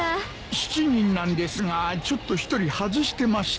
７人なんですがちょっと１人外してまして。